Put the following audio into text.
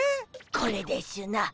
これでしゅな。